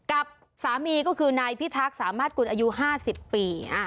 กับสามีก็คือนายพี่ทักสามห้าสกุลอายุห้าสิบปีอ่า